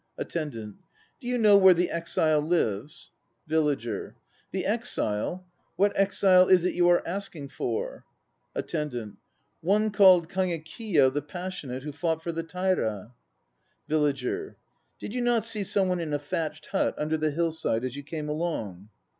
ATTENDANT. Do you know where the exile lives? VILLAGER. The exile? What exile is it you are asking for? ATTENDANT. One called Kagekiyo the Passionate who fought for the Taira. VILLAGER. Did you not see some one in a thatched hut under the hillside as you came along?